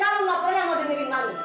kamu nggak pernah mau dengerin mami